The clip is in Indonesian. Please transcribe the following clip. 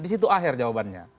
disitu akhir jawabannya